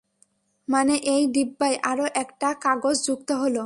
মানে এই ডিব্বায় আরো একটা কাগজ যুক্ত হলো।